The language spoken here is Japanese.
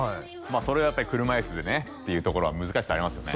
あそれはやっぱり車いすでねっていうところは難しさありますよね